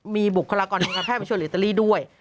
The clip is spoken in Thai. มีบุคลากรนี้ครับแพทย์ประชุมอิตาลีด้วย